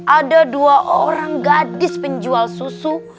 ada dua orang gadis penjual susu